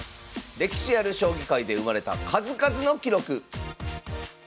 歴史ある将棋界で生まれた数々の記録